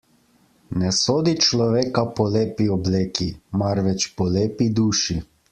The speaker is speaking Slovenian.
Ne sodi človeka po lepi obleki, marveč po lepi duši.